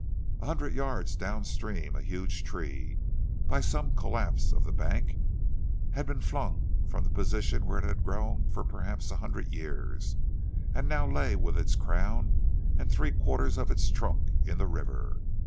A hundred yards downstream a huge tree, by some collapse of the bank, had been flung from the position where it had grown for perhaps a hundred years, and now lay with its crown and three quarters of its trunk in the river.